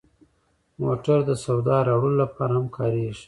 موټر د سودا راوړلو لپاره هم کارېږي.